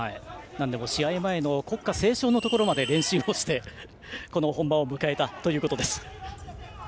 試合前の国歌斉唱のところまで練習してこの本番を迎えたということです。